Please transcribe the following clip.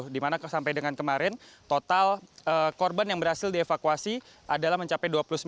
dimana sampai dengan kemarin total korban yang berhasil dievakuasi adalah mencapai dua puluh sembilan